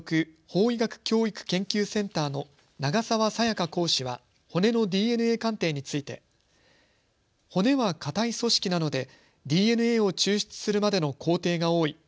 法医学教育研究センターの永澤明佳講師は骨のＤＮＡ鑑定について骨は硬い組織なのでＤＮＡを抽出するまでの工程が多い。